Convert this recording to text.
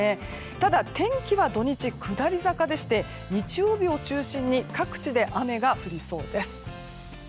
ただ、天気は土日下り坂でして日曜日を中心に各地で雨が降りそうです。